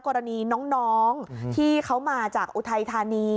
กรณีน้องที่เขามาจากอุทัยธานี